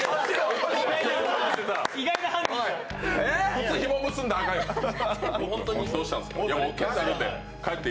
靴ひも結んだらあかんよ。